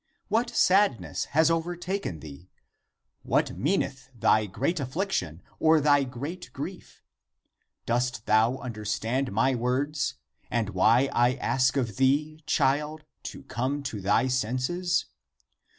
What sadness has overtaken thee? What meaneth thy great affliction or thy great grief? Dost thou un derstand my words and why I ask of thee, child, to come to thy senses?